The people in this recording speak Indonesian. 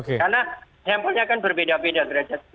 karena sampelnya kan berbeda beda derajat